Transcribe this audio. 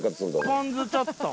ポン酢ちょっと。